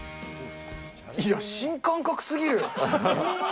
いや、新感覚すぎる。